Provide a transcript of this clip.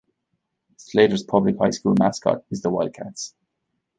Slater's public high school mascot is the Wildcats.